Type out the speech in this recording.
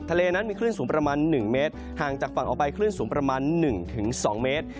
ทะเลนั้นมีคลื่นสูงประมาณ๑เมตรห่างจากฝั่งออกไปคลื่นสูงประมาณ๑๒เมตร